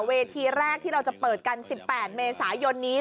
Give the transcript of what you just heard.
เวทีแรกที่เราจะเปิดกัน๑๘เมษายนนี้